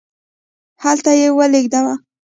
هلته یې ولیږدوو.